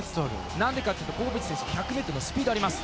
なんでかというとポポビッチ選手１００ｍスピードあります。